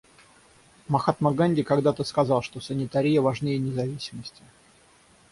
Махатма Ганди когда-то сказал, что «санитария важнее независимости».